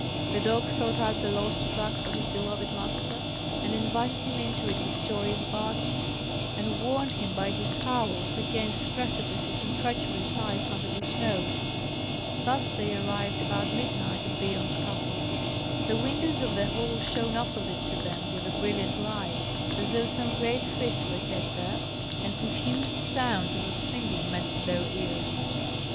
The dog sought out the lost track for his beloved master, and invited him into it with joyous barkings, and warned him by his howls against precipices and treacherous ice under the snow. Thus they arrived about midnight at Biorn's castle. The windows of the hall shone opposite to them with a brilliant light, as though some great feast were kept there, and confused sounds, as of singing, met their ears.